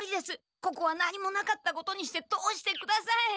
ここは何もなかったことにして通してください。